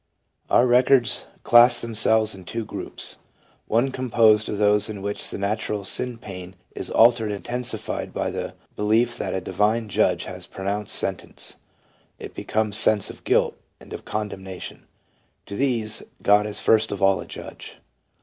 Our records class themselves in two groups : one composed of those in which the natural sin pain is altered and intensified by the belief that a divine Judge has pronounced sentence, it becomes sense of guilt and of condemnation ; to these, God is first of all a Judge.